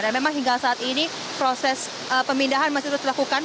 dan memang hingga saat ini proses pemindahan masih terus dilakukan